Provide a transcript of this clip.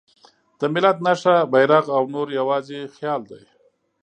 د ملت نښه، بیرغ او نوم یواځې خیال دی.